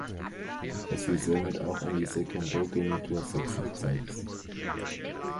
Es fiel somit auch an die Sekundogenitur Sachsen-Zeitz.